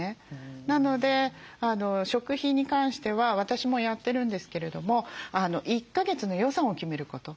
なので食費に関しては私もやってるんですけれども１か月の予算を決めること。